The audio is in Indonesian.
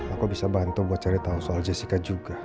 aku bisa bantu buat cari tahu soal jessica juga